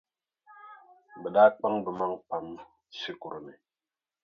Bɛ daa kpaŋ bɛ maŋa pam shikuru ni.